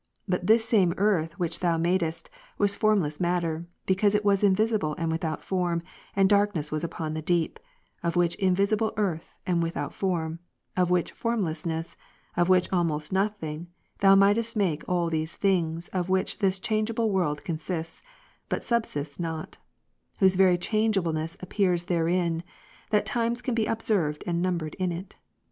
But this same earth which Thou madest, was formless matter, because it was invisible and without form, and darktiess ivas upon the deep, of which invisible earth and ivithout form, of which formlessness, of which almost nothing, Thou mightest make all these things of which this changeable world consists but subsits not '; whose very changeableness appears therein, that times can be observed and numbered in it.